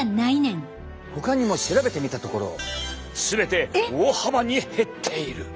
ほかにも調べてみたところ全て大幅に減っている！